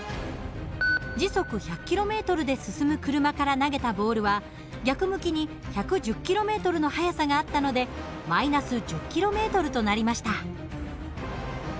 時速１００ｋｍで進む車から投げたボールは逆向きに１１０ｋｍの速さがあったので−１０ｋｍとなりました。